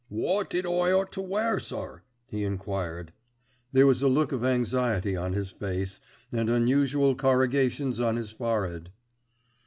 "Wot did I ought to wear, sir?" he enquired. There was a look of anxiety on his face, and unusual corrugations on his forehead.